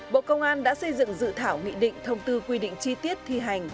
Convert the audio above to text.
bộ công an đã xây dựng dự thảo nghị định thông tư quy định chi tiết thi hành